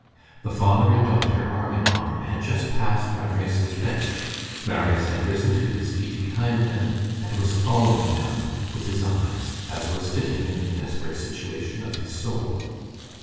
The father and daughter, arm in arm, had just passed Marius' bench. Marius had risen to his feet behind them, and was following them with his eyes, as was fitting in the desperate situation of his soul.